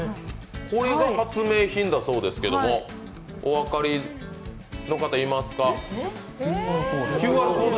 これが発明品だそうですけどお分かりの方、いますか？